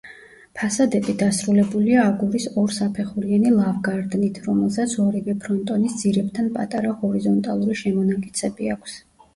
ფასადები დასრულებულია აგურის ორსაფეხურიანი ლავგარდნით, რომელსაც ორივე ფრონტონის ძირებთან პატარა ჰორიზონტალური შემონაკეცები აქვს.